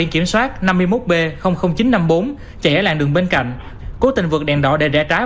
biển kiểm soát năm mươi một b chín trăm năm mươi bốn chạy làng đường bên cạnh cố tình vượt đèn đỏ để rẽ trái